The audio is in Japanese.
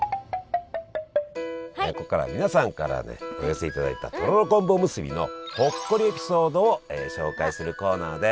ここからは皆さんからねお寄せいただいたとろろ昆布おむすびのほっこりエピソードを紹介するコーナーです！